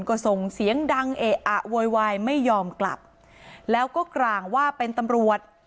ก็ส่งเสียงดังเอะอะโวยวายไม่ยอมกลับแล้วก็กร่างว่าเป็นตำรวจ